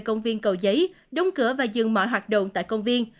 công viên cầu giấy đóng cửa và dừng mọi hoạt động tại công viên